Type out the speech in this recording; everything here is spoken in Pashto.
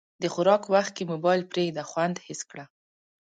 د خوراک وخت کې موبایل پرېږده، خوند حس کړه.